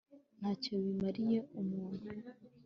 nta cyo bimariye umuntu